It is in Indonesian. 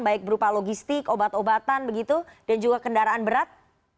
baik berupa logistik obat obatan begitu dan juga kendaraan berat